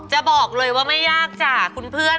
จะบอกเลยว่าไม่ยากจ้ะคุณเพื่อน